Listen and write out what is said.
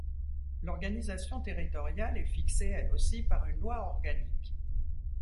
L'organisation territoriale est fixée, elle aussi par une loi organique.